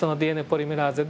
ＤＮＡポリメラーゼ？